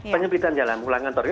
penyempitan jalan ulangan toro